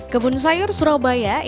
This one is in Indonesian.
kebun sayur surabaya ini diperoleh